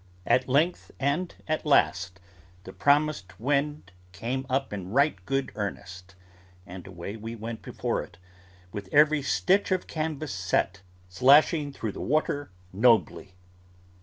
At length and at last, the promised wind came up in right good earnest, and away we went before it, with every stitch of canvas set, slashing through the water nobly.